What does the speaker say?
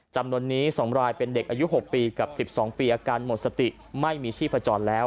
จำนวนนี้๒รายเป็นเด็กอายุ๖ปีกับ๑๒ปีอาการหมดสติไม่มีชีพจรแล้ว